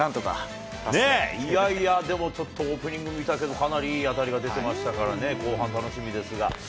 いやいや、でもちょっとオープニング見たけどかなりいい当たりが出てましたからね、後半楽しみですが。